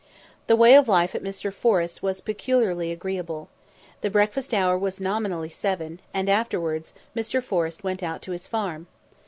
The way of life at Mr. Forrest's was peculiarly agreeable. The breakfast hour was nominally seven, and afterwards Mr. Forrest went out to his farm.